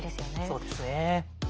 そうですね。